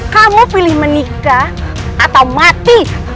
kamu pilih menikah atau mati